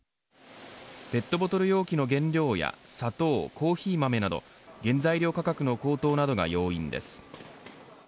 ペットボトル容器の原料や砂糖、コーヒー豆など原材料価格の高騰などが要因です。